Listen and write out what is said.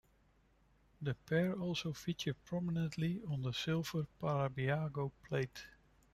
The pair also feature prominently on the silver Parabiago plate.